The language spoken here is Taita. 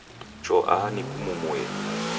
Cho aha nikumumuye